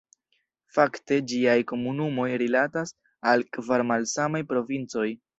Fakte ĝiaj komunumoj rilatas al kvar malsamaj provincoj.